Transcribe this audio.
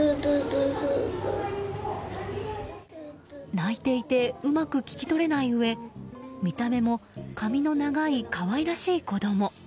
泣いていてうまく聞き取れないうえ見た目も髪の長い可愛らしい子供。